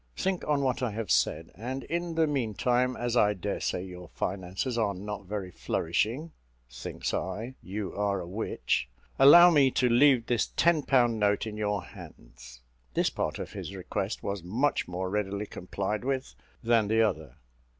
Think on what I have said; and, in the meantime, as I daresay your finances are not very flourishing" (thinks I, you are a witch!) "allow me to leave this ten pound note in your hands." This part of his request was much more readily complied with than the other.